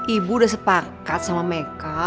ibu udah sepakat sama mereka